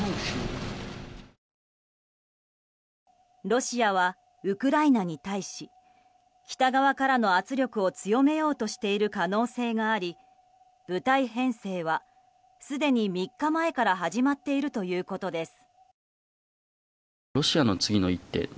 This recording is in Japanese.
ロシアはウクライナに対し北側からの圧力を強めようとしている可能性があり部隊編成は、すでに３日前から始まっているということです。